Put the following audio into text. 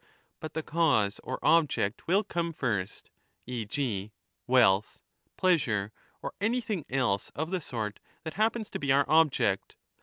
But the cause or object will come first, e. g. wealth, pleasure, or anything else of the 15 sort that happens to be our object.